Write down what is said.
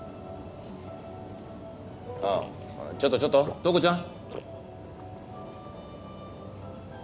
ああちょっとちょっと塔子ちゃん？